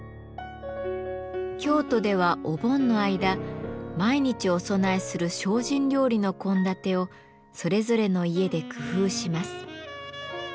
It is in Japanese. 京都ではお盆の間毎日お供えする精進料理の献立をそれぞれの家で工夫します。